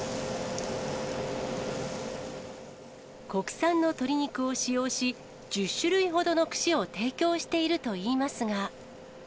国産の鶏肉を使用し、１０種類ほどの串を提供しているといいますが。